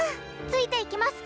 ついていきます